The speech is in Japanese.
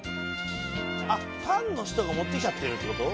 あっファンの人が持ってきちゃってるって事？